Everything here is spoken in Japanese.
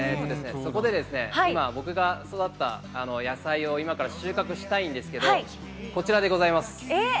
そこでですね、今、僕が育てた野菜を今、収穫したいんですけれども、こちらでございます。